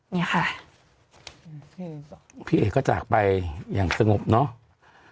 เนี่ยค่ะพี่เอกก็จากไปอย่างสงบเนาะ